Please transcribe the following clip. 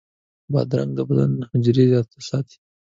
بادرنګ د بدن حجرې تازه ساتي.